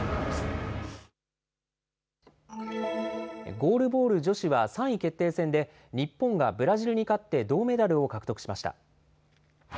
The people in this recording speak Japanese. ゴールボール女子は３位決定戦で、日本がブラジルに勝って銅メダルを獲得しました。